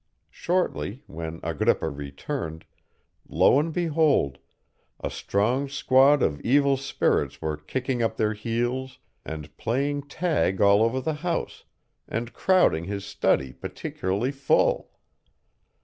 Shortly, when Agrippa returned, lo and behold, a strong squad of evil spirits were kicking up their heels and playing tag all over the house, and crowding his study particularly full.